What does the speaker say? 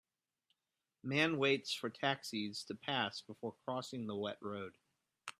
Man waits for taxis to pass before crossing the wet road